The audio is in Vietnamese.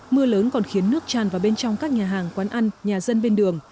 mưa lớn còn khiến nước tràn vào bên trong các nhà hàng quán ăn nhà dân bên đường